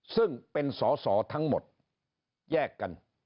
ซึ่งเป็นสอสอทั้งหมดแยกกัน